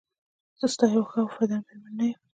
زه ستا یوه ښه او وفاداره میرمن نه یم؟